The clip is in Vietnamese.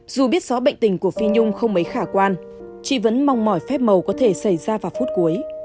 dù biết rõ bệnh tình của phi nhung không mấy khả quan chị vẫn mong mỏi phép màu có thể xảy ra vào phút cuối